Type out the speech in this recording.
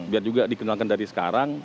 biar juga dikenalkan dari sekarang